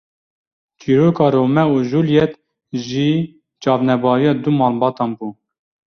Çîroka Romeo û Juliet jî çavnebariya du malbatan bû